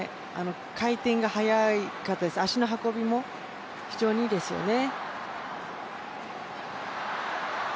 回転が速かったです、足の運びも非常にいいですよね。